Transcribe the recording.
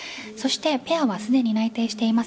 ペアはすでに内定しています